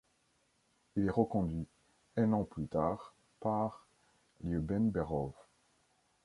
Il est reconduit, un an plus tard, par Liouben Berov.